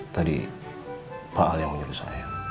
tadi pak al yang menyuruh saya